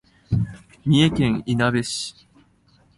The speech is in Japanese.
三重県いなべ市